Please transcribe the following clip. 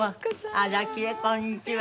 あらきれいこんにちは。